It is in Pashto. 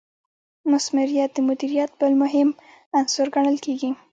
مثمریت د مدیریت بل مهم عنصر ګڼل کیږي.